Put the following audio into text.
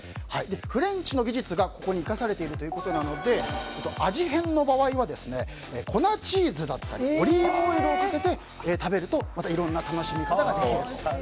フレンチの技術がここに生かされているということなので味変の場合は粉チーズだったりオリーブオイルをかけて食べるとまたいろんな楽しみ方ができると。